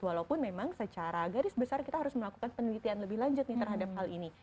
walaupun memang secara garis besar kita harus melakukan penelitian lebih lanjut nih terhadap hal ini